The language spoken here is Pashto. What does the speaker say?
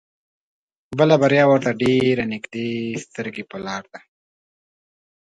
بله بريا ورته ډېر نيږدې سترګې په لار ده.